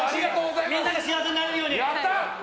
みんなが幸せになれるように！